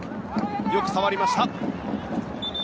よく触りました。